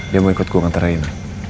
dia mau ikut gue nganterin